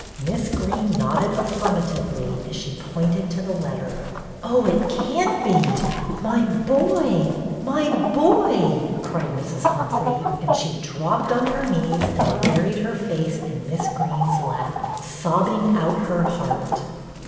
Miss Greene nodded affirmatively as she pointed to the letter. " Oh, it can't be ! My boy, my boy !" cried Mrs. Humphrey, as she dropped on her knees and buried her face in Miss Greene's lap, sobbing out her heart.